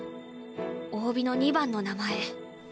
大尾の２番の名前。